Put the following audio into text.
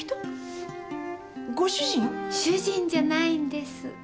ご主人？主人じゃないんです。